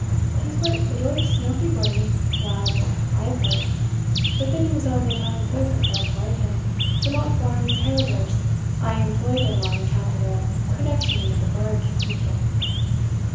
He was but a doited snuffy body, Rab, as I've heard but then he was the town clerk of Fairport, and the Monkbarns heritors aye employed him on account of their connection wi' the burgh, ye ken."